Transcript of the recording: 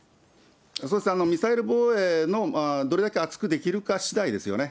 そうですね、ミサイル防衛の、どれだけ厚くできるかしだいですよね。